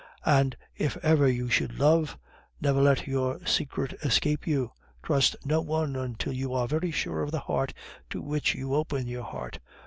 And if ever you should love, never let your secret escape you! Trust no one until you are very sure of the heart to which you open your heart.